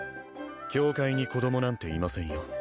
教会に子供なんていませんよ